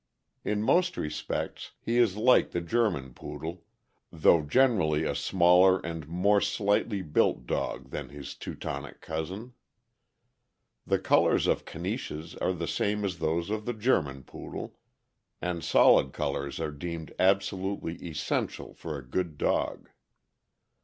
In most respects, he is like the German Poodle, though generally a smaller and more slightly built dog than his Teutonic cousin. The colors of Caniches are the same as those of the German Poodle, and solid colors are deemed absolutely essential for a good dog.